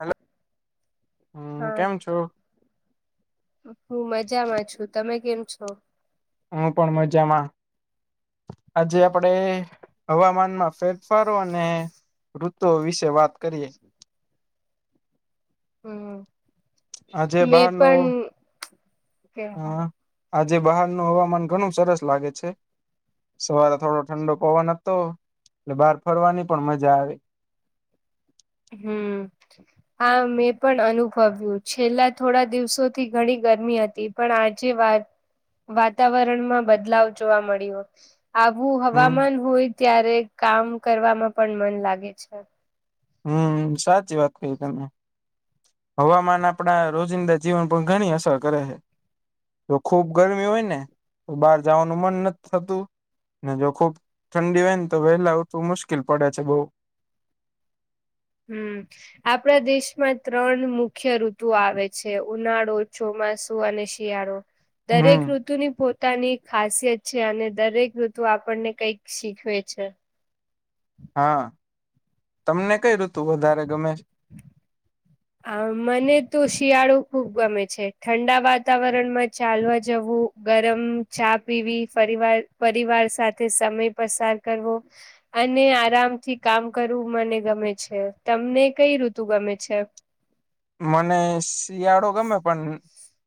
Hello હમ હા [inaudible] કેમ છો હું મજામાં છું, તમે કેમ છો? હું પણ મજામાં. આજે આપડે હવામાનમાં ફેરફારો અને ઋતુ વિશે વાત કરીએ. આજે હું મે બહારનો પણ ક અ આજે બહારનું હવામાન ઘણું સરસ લાગે છે. સવારે થોડો ઠંડો પવન હતો એટલે બહાર ફરવાની પણ મજા આવે. હમ હા મેં પણ અનુભવ્યું છે, છેલ્લા થોડા દિવસોથી ઘણી ગરમી હતી. પણ આજે વાત વાતાવરણમાં બદલાવ જોવા મળ્યો. આવું હમ હવામાન હોય ત્યારે કામ કરવામાં પણ મન લાગે છે હમ્મ સાચી વાત કહી તમે હવામાન આપણા રોજિંદા જીવન પર ઘણી અસર કરે છે તો ખુબ ગરમી હોય નેતો બહાર જવાનું મન નથી થતું નેજો ખુબ ઠંડી હોય નેતો વહેલા ઉઠવું મુશ્કેલ પડે છે બઉ હમ્મ આપણા દેશમાં ત્રણ મુખ્ય ઋતુઓ આવે છે, ઉનાળો, ચોમાસું અને શિયાળો દરેક હમ ઋતુની પોતાની તાની ખાસિયત છે, અને દરેક ઋતુ આપણને કંઈક શીખવે છે હા, તમને કઈ ઋતુ વધારે ગમે છે? આ મને તો શિયાળો ખુબ ગમે છે, ઠંડા વાતાવરણમાં ચાલવા જવું ગરમ ચા પીવી ફરીવાર પરિવાર સાથે સમય પસાર કરવો અને આરામથી કામ કરવું મને ગમે છે, તમને કંઈ ઋતુ ગમે છે. મને શિયાળો ગમે પણ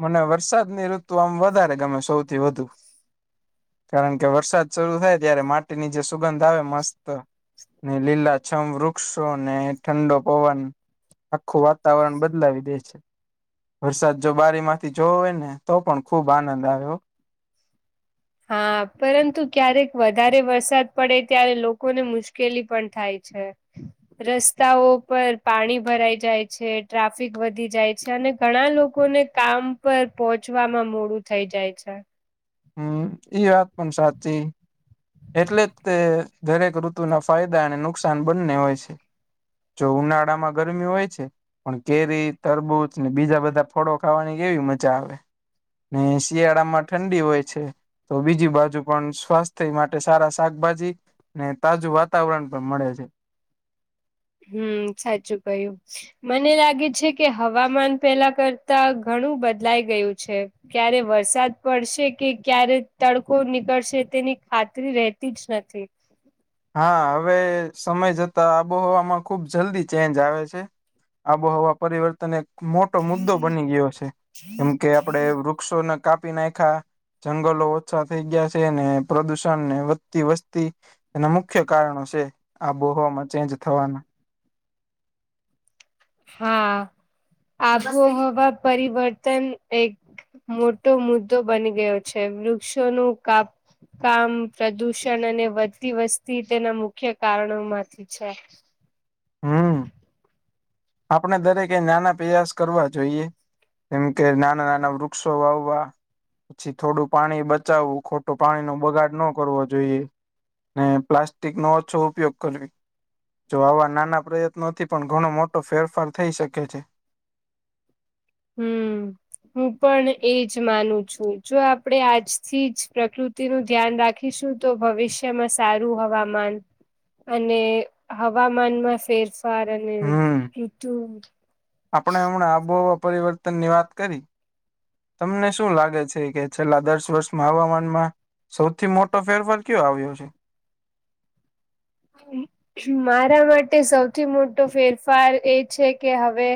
મને વરસાદની ઋતુ આમ વધારે ગમે સૌથી વધુ કારણ કે, વરસાદ શરૂ થાય ત્યારે માટીની જે સુગંધ આવે મસ્ત લીલાછમ વૃક્ષોને ઠંડો પવન આખું વાતાવરણ વાતાવરણ બદલાવી દે છે વરસાદ જો બારીમાંથી જોવો હોય નેતો પણ ખુબ આનંદ આવે હો. હા, પરંતુ ક્યારેક વધારે વરસાદ પડે ત્યારે લોકોને મુશ્કેલી પણ થાય છે. રસ્તાઓ પર પાણી ભરાઈ જાય છે, ટ્રાફિક વધી જાય છે, અને ઘણા લોકોને કામ પર પોહોંચવામાં મોડું થઈ જાય છે. હમ્મ એઈ વાત પણ સાચી એટલે જ તે દરેક ઋતુના ફાયદા અને નુકસાન બંને હોય છે જો ઉનાળા માં ગરમી હોય છે પણ કેરી તરબૂજ ને બીજા બધા ફળો ખાવાની કેવી મજા આવે ને શિયાળામાં ઠંડી હોય છે તો બીજી બાજુ પણ સ્વાસ્થ્ય માટે સારા શાકભાજી ને તાજું વાતાવરણ પણ મળે છે હમ્મ સાચું કયું. મને લાગે છે કે હવામાન પેલા કરતા ઘણું બદલાઈ ગયું છે ક્યારે વરસાદ પડશે કે ક્યારે તડકો નીકળશે તેની ખાતરી રહેતી જ નથી. હા હવે સમય જતા આબોહવામાં ખુબ જલ્દી ચેન્જ આવે છે આબોહવા પરિવર્તન એક મોટો મુદ્દો બની ગયો છે કેમ કે આપડે વક્ષો કાપી નાખા જંગલો ઓછા થઈ ગયા છે ને પ્રદુષણ ને વધતી વસ્તી એના મુખ્ય કારણો છે આબોહવામાં ચેન્જ થવાના હા આબોહવા પરિવર્તન એક મોટો મુદ્દો બની ગયો છે વૃક્ષોનું કાપ કામ પ્રદુષણ અને વધતી વસ્તી તેના મુખ્ય કારણો માંથી છે. હમ્મ આપણે દરેકે એ નાના પ્રયાસ કરવા જોઈએ. કેમ કે નાના નાના વૃક્ષો વાવ વા પછી થોડું પાણી બચાવવું ખોટું પાણી નો બગાડ ન કરવો જોઈએ પ્લાસ્ટિક નો ઓછો ઉપયોગ કરવી જો આવા નાના પ્રયત્નોથી પણ ઘણો મોટો ફેરફાર થઈ શકે છે. હમ્મ હું પણ એજ માનું છું જો આપણેે આજથી જ પ્રકૃતિ તેનું ધ્યાન રાખીશું તો ભવિષ્યમાં સારું હવામાન અને હવામાનમાં ફેર હમ આપણે [unintelligible] આબોહવા પરિવર્તન ની વાત કરી તમને શું લાગે છે કે છેલ્લા દસ વર્ષમાં હવામાનમાં. સૌથી મોટો ફેરફાર કયો આવ્યો છે? મારા માટે સૌથી મોટો ફેરફાર એ છે કે હવે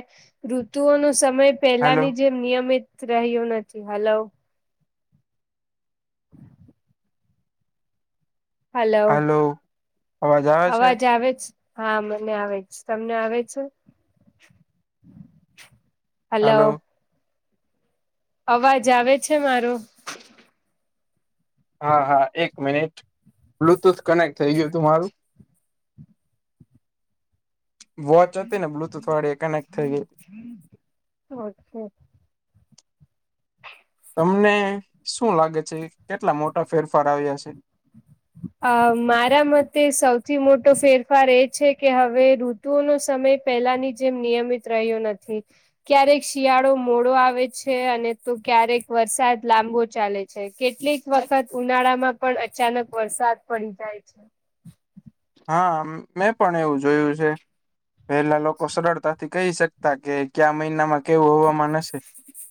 ઋતુઓનો સમય હાલો પેલાની જેમ નિયમિત રહ્યો નથી. હલો! હલો! અવાજ આવે છે. હા મને આવેજ. તમને આવે છે? Hello hello! અવાજ આવે છે મારો? હા હા એક મિનિટ બ્લુટુથ કનેક્ટ થઇ ગયું તું મારું. વોચ હતી ને બ્લુટુથ વાળી કનેક્ટ થઈ ગઈ હતી. હમ. તમને શું લાગે છે? કેટલા મોટા ફેરફાર આવ્યા છે. અ મારા મતે સૌથી મોટો ફેરફાર એ છે કે હવે ર ટુ નો સમય પહેલાની જેમ નિયમિત રહ્યો નથી. ક્યારેક શિયાળો મોડો આવે છે અને તો ક્યારેક વરસાદ લાંબો ચાલે છે. કેટલીક વખત ઉનાળામાં પણ અચાનક વરસાદ પડી જાય છે. હા મેં પણ એવું જોયું છે પહેલા લોકો સરળતા થી કહી શકતા કે કયા મહિનામાં કેવું હવામાન હશે.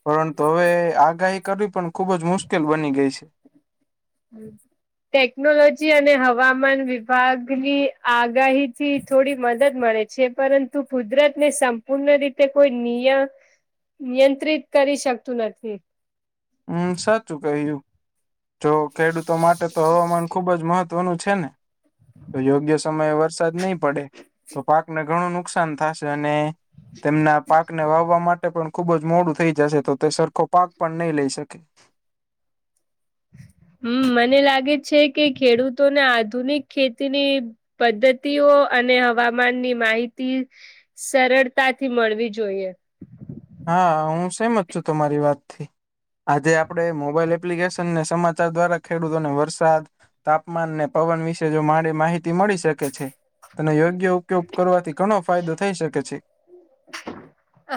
પરંતુ હવે આગાહી કરવી પણ ખુબ જ મુશ્કેલ બની ગઈ છે. હમ. ટેકનોલોજી અને હવામાન વિભાગની આગાહી થી થોડી મદદ મળે છે. છે પરંતુ કુદરત ને સંપૂર્ણ રીતે કોઈ નિયમ. નિયંત્રિત કરી શકતું નથી. હમ્મ, સાચું કહ્યું. જો ખેડૂતો માટે તો હવામાન ખુબ જ મહત્વનું છે ને? તો યોગ્ય સમયે વરસાદ નહી પડે તો પાકને ઘણું નુકસાન થશે અને તેમના પાકને વાવવા માટે પણ ખુબ જ મોડું થઈ જશે તો તે સરખો પાક પણ નહી લઈ શકે. હમ્મ, મને લાગે છે કે ખેડૂતોને આધુનિક ખેતીની પદ્ધતિઓ અને હવામાનની માહિતી સરળતાથી મળવી જોઈએ. હા, હું સમત છું તમારી વાતથી. આજે આપણે મોબાઈલ એપ્લિકેશનને સમાચાર દ્વારા ખેડૂતોને વરસાદ તાપમાન ને પવન વિશે જો મારી માહિતી મળી શકે છે અને યોગ્ય ઉપયોગ કરવાથી ઘણો ફાયદો થઈ શકે છે.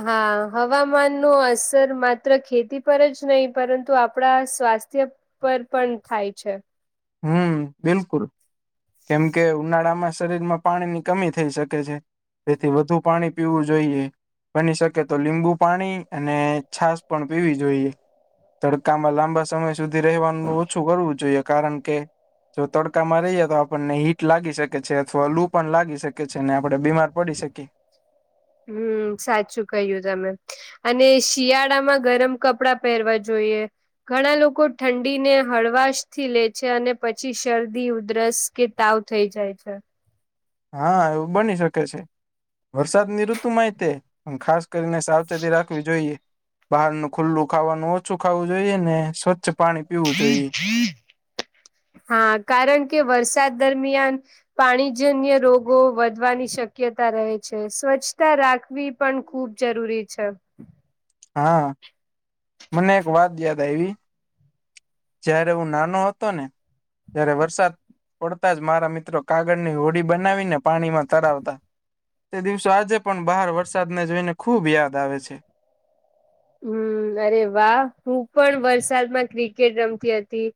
હા, હવામાનનું અસર માત્ર ખેતી પર જ નહી પરંતુ આપણા સ્વાસ્થ્ય પર પણ થાય છે. હમ્મ, બિલકુલ કેમ કે ઉનાળામાં શરીરમાં પાણીની કમી થઈ શકે છે તેથી વધુ પાણી પીવું જોઈએ. બની શકે તો લીંબુ પાણી અને છાસ પણ પીવી જોઈએ. તડકામાં લાંબા સમય સુધી રહવાનું ઓછું કરવું જોઈએ, કારણ કે જો તડકામાં રહીએ તો આપણને હીટ લાગી શકે છે અથવા લુ પણ લાગી શકે છે ને આપણે બીમાર પડી શકીએ. હમ્મ, સાચું કહ્યું તમે અને શિયાળામાં ગરમ કપડા પહેરવા જોઈએ. ઘણા લોકો ઠંડીને હળવાશથી લે છે અને પછી શરદી, ઉધરસ કે તાવ થઇ જાય છે. હા, એવું બની શકે છે વરસાદની ઋતુ તું માહિતી ખાસ કરીને સાવચેતી રાખવી જોઈએ. બહારનું ખુલ્લું ખાવાનું ઓછું ખાવું જોઈએ ને સ્વચ્છ પાણી પીવું જોઈએ હા, કારણ કે વરસાદ દરમિયાન પાણી જન્ય રોગો વધવાની શક્યતા રહે છે. સ્વચ્છતા રાખવી પણ ખુબ જરૂરી છે. હા, મને એક વાત યાદ આઈવી જયારે હું નાનો હતો ને, ત્યારે વરસાદ પડતા જ મારા મિત્રો કાગળની હોડી બનાવીને પાણીમાં તરાવતા. તે દિવસો આજે પણ બહાર વરસાદને જોઈને ખુબ યાદ આવે છે. હમ્મ, અરે વાહ હું પણ વરસાદમાં ક્રિકેટ રમતી હતી.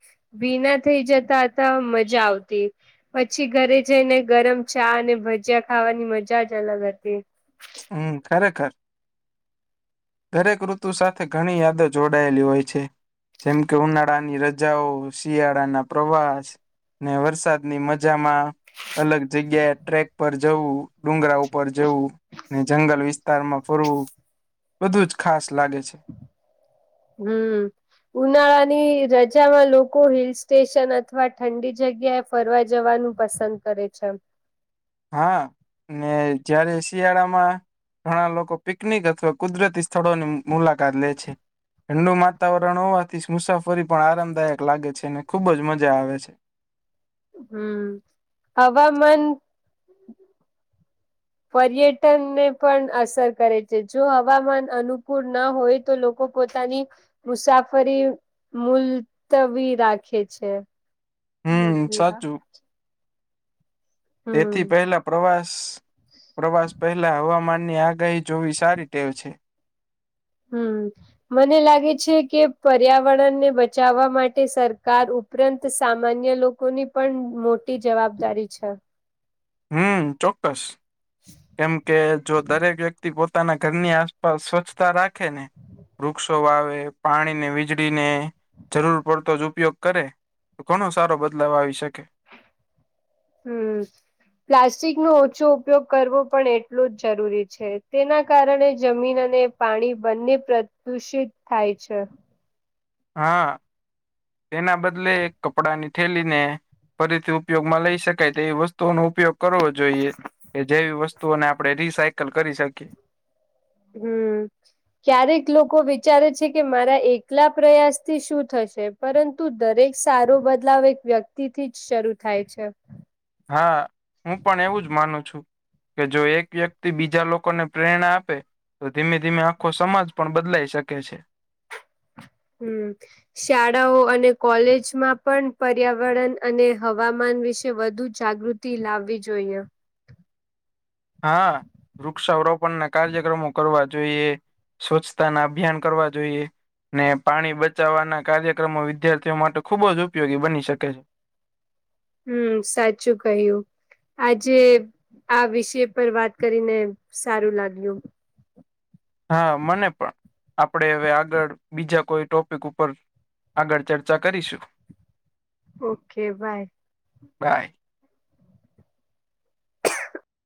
ભીના થઈ જતા હતા મજા આવતી. પછી ઘરે જઈને ગરમ ચા અને ભજીયા ખાવાની મજા જ અલગ હતી. હમ્મ, ખરેખર. દરેક ઋતુ સાથે ઘણી યાદો જોડાયેલી હોય છે. જેમ કે ઉનાળાની રજાઓ, શિયાળાના પ્રવાસ ને વરસાદની મજામાં અલગ જગ્યાએ ટ્રેક પર જવું, ડુંગરા ઉપર જવું ને જંગલ વિસ્તારમાં ફરવું બધું જ ખાસ લાગે છે. હમ્મ. ઉનાળાની રજામાં લોકો હિલ સ્ટેશન અથવા ઠંડી જગ્યા ફરવા જવાનું પસંદ કરે છે. હા, ને જયારે શિયાળામાં ઘણા લોકો પિકનિક અથવા કુદરતી સ્થળોની મુલાકાત લે છે. ઠંડુ વાતાવરણ હોવાથી મુસાફરી પણ આરામદાયક લાગે છે અને ખુબ જ મજા આવે છે. હમ્મ, હવામન પર્યટન ને પણ અસર કરે છે જો હવામાન અનુકૂળ ના હોય તો લોકો પોતાની મુસાફરી મુલતવી રાખે છે. હમ લધવીરા. સાચું તેથી હમ પહેલા પ્રવાસ પ્રવાસ પહેલા હવામાનની આગાહી જોવી સારી ટેવ છે. હમ્મ, મને લાગે છે કે પર્યાવરણને બચાવવા માટે સરકાર ઉપ રાંત સામાન્ય લોકોની પણ મોટી જવાબદારી છે. હમ્મ, ચોક્કસ. કેમ કે જો દરેક વ્યક્તિ પોતાના ઘરની આસપાસ સ્વચ્છતા રાખે ને વૃક્ષો વાવે પાણીને વીજળીને જરૂર પડતો જ ઉપયોગ કરે તો કોનો સારો બદલાવ આવી શકે? હમ્મ. પ્લાસ્ટિકનો ઓછો ઉપયોગ કરવો પણ એટલું જ જરૂરી છે તેના કારણે જમીન અને પાણી બંને પ્રદુષિત થાય છે. હા, એના બદલે કપડાની થઠેલી ને ફરીથી ઉપયોગમાં લઈ શકાય તેવી વસ્તુઓનો ઉપયોગ કરવો જોઈએ. કે જેવી વસ્તુઓને આપડે રીસાયકલ કરી શકીએ. હમ્મ. ક્યારેક લોકો વિચારે છે કે મારા એકલા પ્રયાસ થી શું થશે. પરંતુ દરેક સારો બદલાવ એક વ્યક્તિથી જ શરૂ થાય છે. હા, હું પણ એવું જ માનું છું. કે જો એક વ્યક્તિ બીજા લોકોને પ્રેરણા આપે તો ધીમે ધીમે આખો સમાજ પણ બદલાઈ શકે છે. હમ્મ. શાળાઓ અને કોલેજમાં પણ પર્યાવરણ અને હવામાન વિશે વધુ જાગૃત લાવવી જોઈએ હા વૃક્ષ સૌરોવ પણ ના કાર્યક્રમો કરવા જોઈએ સ્વચ્છતા ના અભિયાન કરવા જોઈએ. ને પાણી બચાવવાના કાર્યક્રમો વિદ્યાર્થીઓ માટે ખુબજ ઉપયોગી બની શકે છે હમ્મ સાચું કહ્યું. આજે આ વિષય પર વાત કરીને સારું લાગ્યું. હા મને પણ આપણેે હવે આગળ બીજા કોઈ ટોપિક ઉપર આગળ ચર્ચા કરીશું ઓકે બાય. બાય